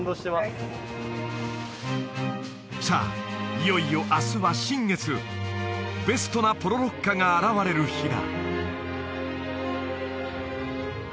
いよいよ明日は新月ベストなポロロッカが現れる日だ